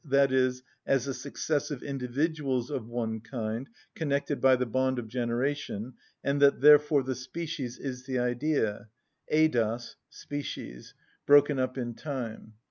_, as the successive individuals of one kind connected by the bond of generation, and that therefore the species is the Idea (εἰδος, species) broken up in time.